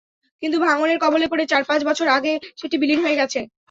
কিন্তু ভাঙনের কবলে পড়ে চার-পাঁচ বছর আগে সেটি বিলীন হয়ে গেছে।